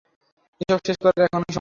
এসব শেষ করার এখনই সময়।